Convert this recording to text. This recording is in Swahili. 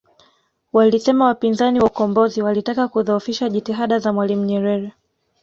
Walisema wapinzani wa ukombozi walitaka kudhoofisha jitihada za Mwalimu Nyerere